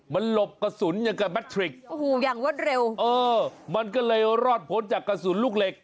มันหลบกระสุนอย่างกับแมททริกโอ้โหอย่างรวดเร็วเออมันก็เลยรอดพ้นจากกระสุนลูกเหล็ก